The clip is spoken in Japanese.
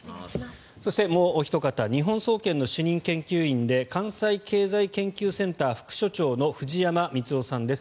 そしてもうおひと方日本総研の主任研究員で関西経済研究センター副所長の藤山光雄さんです。